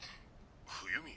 冬美。